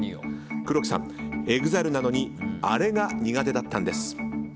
黒木さん、ＥＸＩＬＥなのにあれが苦手だったんです。